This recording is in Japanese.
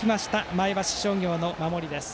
前橋商業の守りです。